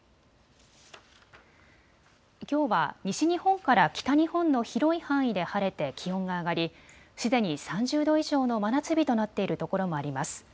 きょうは西日本から北日本の広い範囲で晴れて気温が上がりすでに３０度以上の真夏日となっているところもあります。